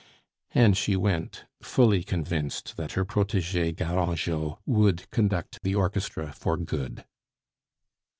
And she went, fully convinced that her protege Garangeot would conduct the orchestra for good.